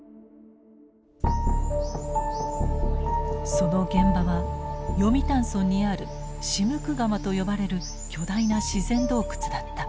その現場は読谷村にあるシムクガマと呼ばれる巨大な自然洞窟だった。